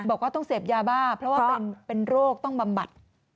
บอกว่าต้องเสพยาบ้าเพราะว่าเป็นโรคต้องบำบัด